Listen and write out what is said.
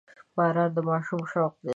• باران د ماشومانو شوق وي.